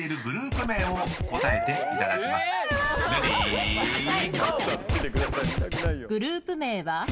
グループ名は？